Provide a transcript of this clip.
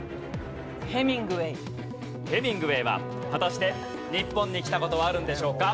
ヘミングウェイは果たして日本に来た事はあるんでしょうか？